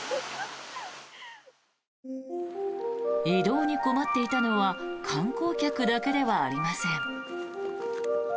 移動に困っていたのは観光客だけではありません。